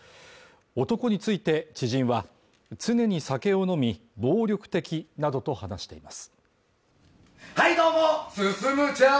男について知人は常に酒を飲み暴力的などと話しています